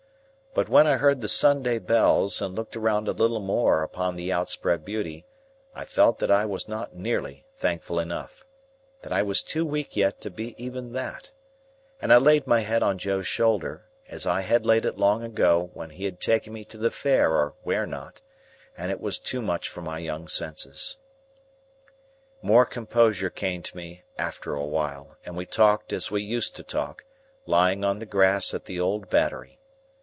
But when I heard the Sunday bells, and looked around a little more upon the outspread beauty, I felt that I was not nearly thankful enough,—that I was too weak yet to be even that,—and I laid my head on Joe's shoulder, as I had laid it long ago when he had taken me to the Fair or where not, and it was too much for my young senses. More composure came to me after a while, and we talked as we used to talk, lying on the grass at the old Battery.